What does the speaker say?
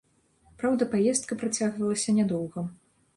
Праўда, паездка працягвалася нядоўга.